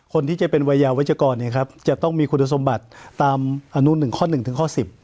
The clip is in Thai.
คนที่จะเป็นวัยยาวัจจกรเนี่ยครับจะต้องมีคุณสมบัติตามอนุหนึ่งข้อหนึ่งถึงข้อสิบ